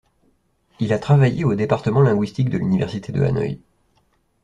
Il a travaillé au département linguistique de l'université de Hanoï.